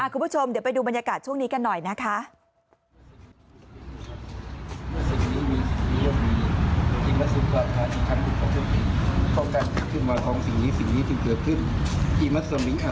คุณผู้ชมเดี๋ยวไปดูบรรยากาศช่วงนี้กันหน่อยนะคะ